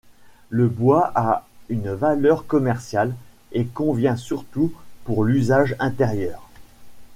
Le bois a une valeur commerciale, et convient surtout pour l'usage intérieur.